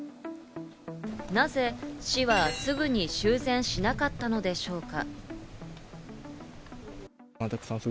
なぜ市はすぐに修繕しなかったのでしょうか？